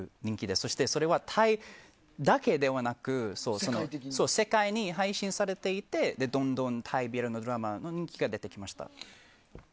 そして、それはタイだけではなく世界に配信されていてどんどんタイＢＬドラマの人気が出てきました。